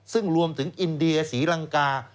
ซึ่งรวมถึงอินเดียศรีลังกา